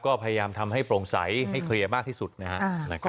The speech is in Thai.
ก็พยายามทำให้โปร่งใสให้เคลียร์มากที่สุดนะครับ